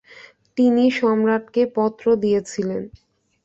তিনি সম্রাটকে পত্র দিয়েছিলেন।